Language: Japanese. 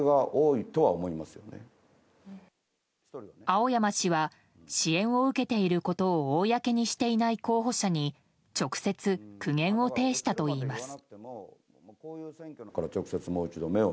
青山氏は支援を受けていることを公にしていない候補者に直接、苦言を呈したといいます。